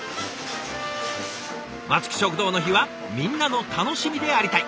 松木食堂の日はみんなの楽しみでありたい！